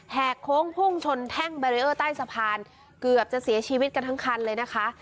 แฮกคงพุ่งชนแท่งโบรี่เต้าสะพานเกือบจะเสียชีวิตกันทั้งคันเลย